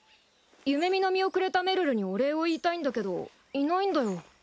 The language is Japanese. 夢見の実をくれたメルルにお礼を言いたいんだけどいないんだよ。